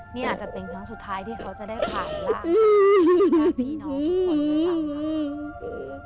นี่อาจจะเป็นครั้งสุดท้ายที่เขาจะได้ผ่านลางยาพี่น้องทุกคนด้วยสักครับ